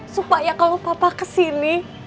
supaya kalau papa kesini